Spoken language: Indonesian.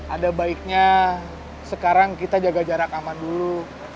ada baiknya sekarang kita jaga jarak aman dulu